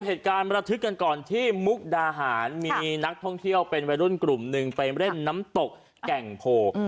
เหตุการณ์ระทึกกันก่อนที่มุกดาหารมีนักท่องเที่ยวเป็นวัยรุ่นกลุ่มหนึ่งไปเล่นน้ำตกแก่งโพ